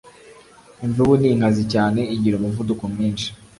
imvubu ni inkazi cyane igira umuvuduko mwinshi.